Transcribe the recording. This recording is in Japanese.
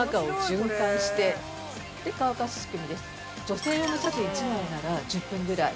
女性用のシャツ１枚なら１０分ぐらい。